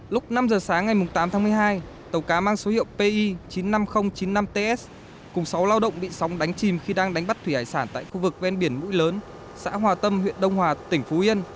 lúc năm giờ sáng ngày tám tháng một mươi hai tàu cá mang số hiệu pi chín mươi năm nghìn chín mươi năm ts cùng sáu lao động bị sóng đánh chìm khi đang đánh bắt thủy hải sản tại khu vực ven biển mũi lớn xã hòa tâm huyện đông hòa tỉnh phú yên